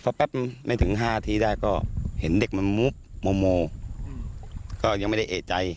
แป๊บแป๊บไม่ถึงห้าอาทิตย์ได้ก็เห็นเด็กมันโมโมก็ยังไม่ได้เอกใจ